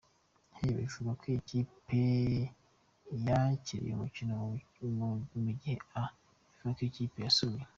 H” bivuga ko ikipe yakiriye umukino mu gihe “A” bivuga ko ikipe yasuye.